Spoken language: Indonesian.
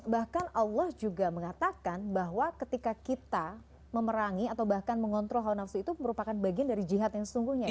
bahkan allah juga mengatakan bahwa ketika kita memerangi atau bahkan mengontrol hawa nafsu itu merupakan bagian dari jihad yang sesungguhnya